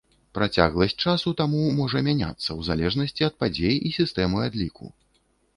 Працягласць часу таму можа мяняцца ў залежнасці ад падзей і сістэмы адліку.